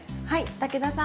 武田さん